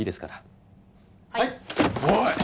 おい！